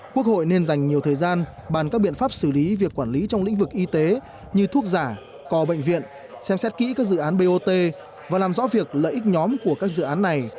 quốc hội nên dành nhiều thời gian bàn các biện pháp xử lý việc quản lý trong lĩnh vực y tế như thuốc giả co bệnh viện xem xét kỹ các dự án bot và làm rõ việc lợi ích nhóm của các dự án này